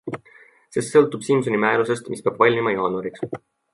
See sõltub Simsoni määrusest, mis peab valmima jaanuariks.